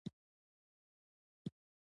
افغانستان په خپلو بزګانو باندې ډېر غني دی.